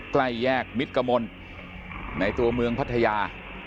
ใกล้แยกมิตรกมลในตัวเมืองพัทยา